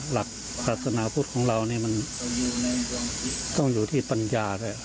หลักศาสนาพุทธของเรานี่มันต้องอยู่ที่ปัญญาด้วย